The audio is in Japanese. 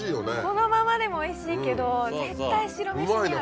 このままでもおいしいけど絶対白飯に合う。